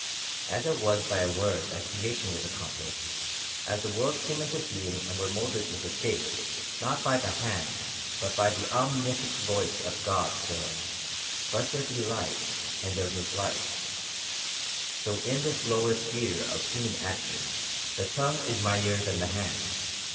As it was by a word that creation was accomplished, as the worlds came into being and were moulded into shape, not by the hand, but by the omnific voice of God, saying, "Let there be light and there was light," so in this lower sphere of human action, the tongue is mightier than the hand.